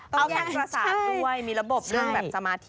ต้องแยกภาษาด้วยมีระบบเรื่องแบบสมาธิ